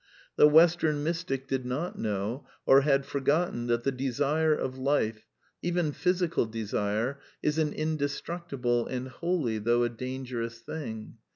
The Western Mystic did not know, or had forgotten, that the desise of Life, even physical desire, is an indestructible and holy, though a dangerous thing.